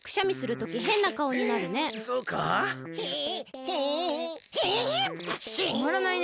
とまらないね。